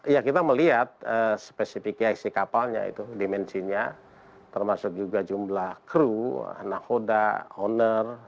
ya kita melihat spesifikasi kapalnya itu dimensinya termasuk juga jumlah kru nahoda owner